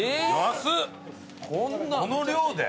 この量で？